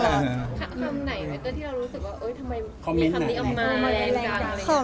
คำไหนหน่อยเต้ยที่เรารู้สึกว่าเอ้ยทำไมมีคำนี้อำนาจ